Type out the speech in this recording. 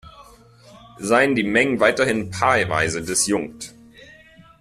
Seien die Mengen weiterhin paarweise disjunkt.